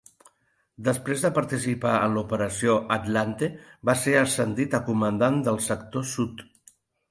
Després de participar en l'Operació Atlante, va ser ascendit a comandant del sector sud.